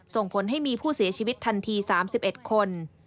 ส่งผลให้มีผู้เสียชีวิตทันที๓๑คน